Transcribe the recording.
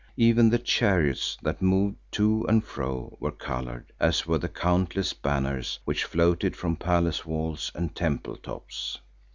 Even the chariots that moved to and fro were coloured as were the countless banners which floated from palace walls and temple tops.